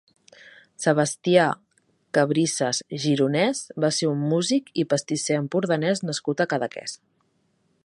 Sebastià Cabrisas Gironès va ser un músic i pastisser empordanès nascut a Cadaqués.